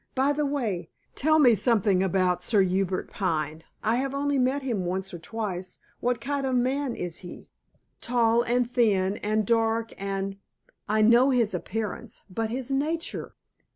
By the way, tell me something about Sir Hubert Pine. I have only met him once or twice. What kind of a man is he?" "Tall, and thin, and dark, and " "I know his appearance. But his nature?"